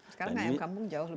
sekarang ayam kampung jauh lebih